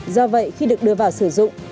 do vậy khi được đưa vào sử dụng